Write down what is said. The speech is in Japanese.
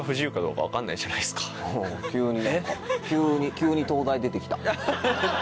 急に何か急に東大出て来た。